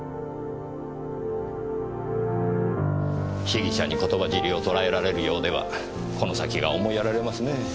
被疑者に言葉尻を捉えられるようではこの先が思いやられますねえ。